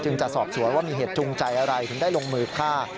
จะสอบสวนว่ามีเหตุจูงใจอะไรถึงได้ลงมือฆ่า